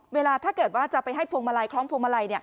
๒เวลาถ้าเกิดจะไปให้พวงมาลัย